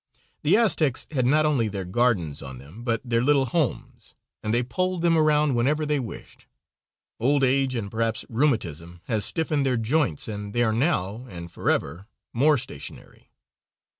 The Aztecs had not only their gardens on them, but their little homes, and they poled them around whenever they wished. Old age, and perhaps rheumatism, has stiffened their joints and they are now and forever more stationary.